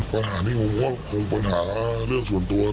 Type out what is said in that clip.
ปัญหานี่ผมว่าคงเป็นปัญหาเลือกส่วนตัว